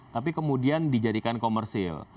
tapi kemudian dijadikan komersil